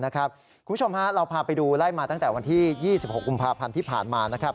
คุณผู้ชมเราพาไปดูไล่มาตั้งแต่วันที่๒๖กุมภาพันธ์ที่ผ่านมานะครับ